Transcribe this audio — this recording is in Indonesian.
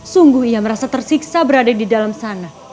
sungguh ia merasa tersiksa berada di dalam sana